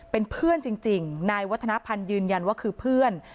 เป็นเพื่อนจริงนายวัฒนภัณฑ์ยืนยันว่าคือเพื่อน